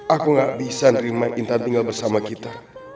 aku gak bisa nemerintah tinggal bersama kita